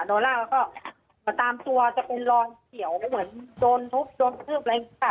โดนล่าแล้วก็ตามตัวจะเป็นรอยเขียวเหมือนโดนทุบโดนคืบอะไรค่ะ